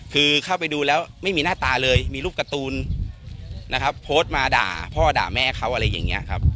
คือเข้าไปดูแล้วไม่มีหน้าตาเลยมีรูปการ์ตูนนะครับโพสต์มาด่าพ่อด่าแม่เขาอะไรอย่างนี้ครับ